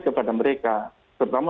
kepada mereka pertama